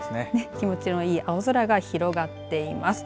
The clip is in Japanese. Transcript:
気持ちのいい青空が広がっています。